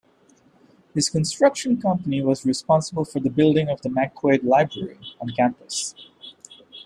His construction company was responsible for the building of the McQuaid Library on campus.